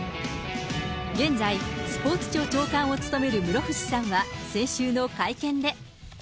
現在、スポーツ庁長官を務める室伏さんは、先週の会見で。